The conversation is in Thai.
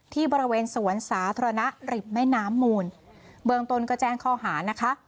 ที่บริเวณสวนสาธารณะริมแม่น้ำมูลเบื้องต้นก็แจ้งข้อหานะคะ